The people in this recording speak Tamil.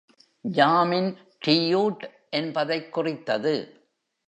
”ஜாமின்” டியூட் என்பதைக் குறித்தது.